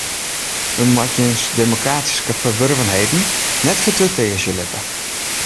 Men moat jins demokratyske ferwurvenheden net fertutearzje litte.